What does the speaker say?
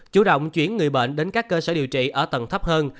chủ động chuyển người bệnh đến các cơ sở điều trị ở tầng thấp hơn